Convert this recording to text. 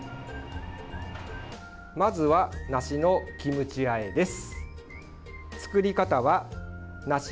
まずは、梨のキムチあえです。